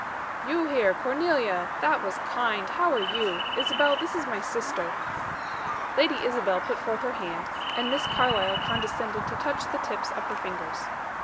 "You here, Cornelia! That was kind. How are you? Isabel, this is my sister." Lady Isabel put forth her hand, and Miss Carlyle condescended to touch the tips of her fingers.